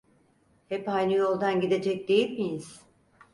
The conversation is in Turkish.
Hep aynı yoldan gidecek değil miyiz?